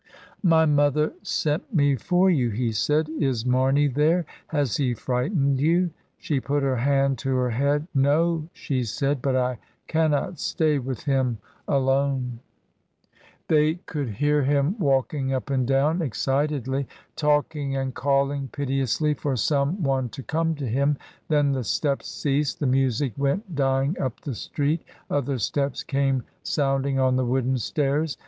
"My mother sent me for you," he said. "Is Marney there? Has he frightened you?" She put her hand to her head. "No," she said, "but I cannot stay with him alone." FUNERALIA. 245 They could hear him walking up and down ex citedly, talking and calling piteously for some one to come to him. Then the steps ceased, the music went dying up the street, other steps came sound ing on the wooden stairs.